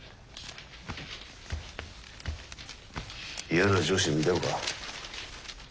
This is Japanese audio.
嫌な上司でもいたのか？